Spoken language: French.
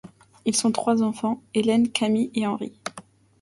Ils ont trois enfants: Hélène, Camille et Henri.